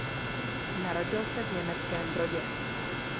Narodil se v Německém Brodě.